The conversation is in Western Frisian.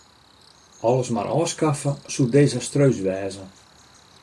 Alles mar ôfskaffe soe desastreus wêze.